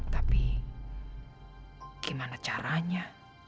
tapi gimana caranya